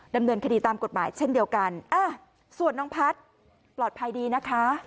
ดำเนินคดีตามกฎหมายเช่นเดียวกันส่วนน้องพัฒน์ปลอดภัยดีนะคะ